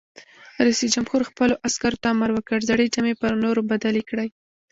رئیس جمهور خپلو عسکرو ته امر وکړ؛ زړې جامې پر نوو بدلې کړئ!